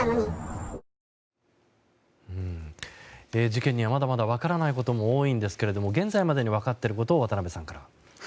事件にはまだまだ分からないことも多いんですが現在までに分かっていることを渡辺さんから。